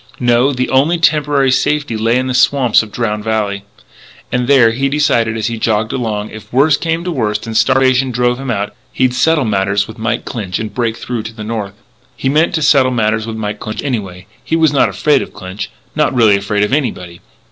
No, the only temporary safety lay in the swamps of Drowned Valley. And there, he decided as he jogged along, if worse came to worst and starvation drove him out, he'd settle matters with Mike Clinch and break through to the north. He meant to settle matters with Mike Clinch anyway. He was not afraid of Clinch; not really afraid of anybody.